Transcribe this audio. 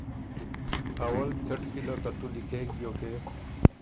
اول څَټ کی ل که تُو لیکېک بیوکې